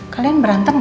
kalian berantem gak